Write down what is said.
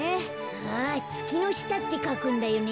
あつきのしたってかくんだよね。